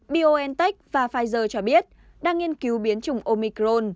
biontech và pfizer cho biết đang nghiên cứu biến chủng omicron